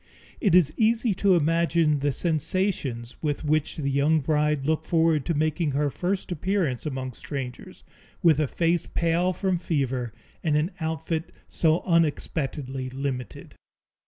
It is easy to imagine the sensations with which the young bride looked forward to making her first appearance among strangers, with a face pale from fever and an outfit so unexpectedly limited.